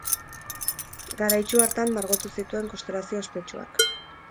Garaitsu hartan margotu zituen Konstelazio ospetsuak.